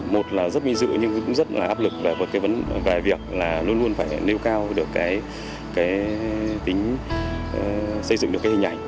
một là rất minh dựa nhưng cũng rất áp lực và một cái vấn đề việc là luôn luôn phải nêu cao được cái tính xây dựng được cái hình ảnh